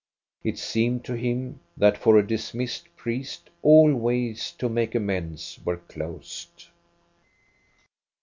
It seemed to him that for a dismissed priest all ways to make amends were closed.